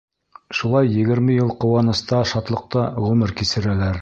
Шулай егерме йыл ҡыуаныста-шатлыҡта ғүмер кисерәләр.